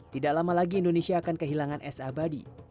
tidak lama lagi indonesia akan kehilangan es abadi